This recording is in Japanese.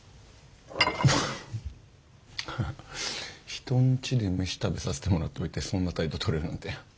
人んちで飯食べさせてもらっておいてそんな態度とれるなんて。